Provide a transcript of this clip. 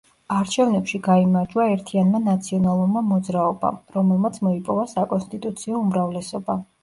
არჩევნებში გაიმარჯვა „ერთიანმა ნაციონალურმა მოძრაობამ“, რომელმაც მოიპოვა საკონსტიტუციო უმრავლესობა.